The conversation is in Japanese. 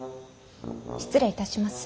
失礼いたします。